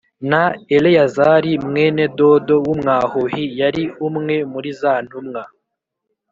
Na Eleyazari mwene Dodo w’ Umwahohi Yari umwe muri za ntumwa